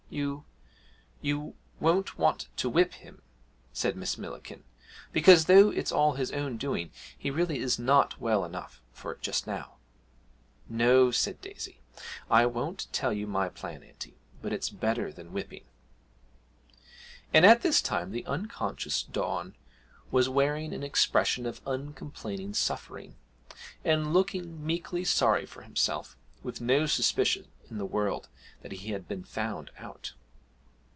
'You you won't want to whip him?' said Miss Millikin, 'because, though it's all his own doing, he really is not well enough for it just now.' 'No,' said Daisy, 'I won't tell you my plan, auntie, but it's better than whipping.' And all this time the unconscious Don was wearing an expression of uncomplaining suffering, and looking meekly sorry for himself, with no suspicion in the world that he had been found out.